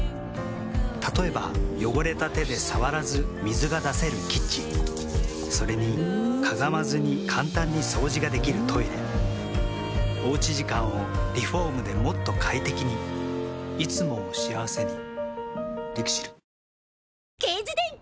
例えば汚れた手で触らず水が出せるキッチンそれにかがまずに簡単に掃除ができるトイレおうち時間をリフォームでもっと快適にいつもを幸せにＬＩＸＩＬ。